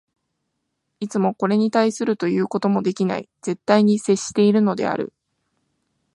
いつもこれに対するということもできない絶対に接しているのである。